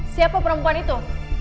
siapa perempuan itu